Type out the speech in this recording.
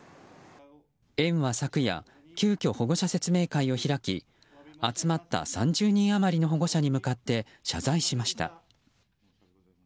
園は昨夜、急きょ保護者説明会を開き集まった３０人余りの保護者に向かって謝罪しました。